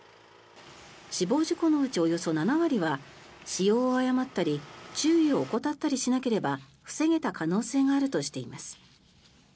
死亡事故のうちおよそ７割は使用を誤ったり注意を怠ったりしなければ防げた可能性があるとしています。